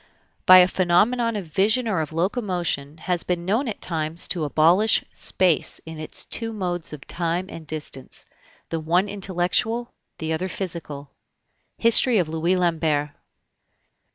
by a phenomenon of vision or of locomotion has been known at times to abolish Space in its two modes of Time and Distance the one intellectual, the other physical. HISTORY OF LOUIS LAMBERT.